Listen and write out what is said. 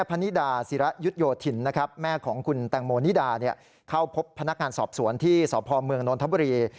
พนิดาเข้าพบพนักการสอบสวนที่สพมนทัพบุรี